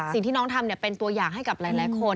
สิ่งที่น้องทำเป็นตัวอย่างให้กับหลายคน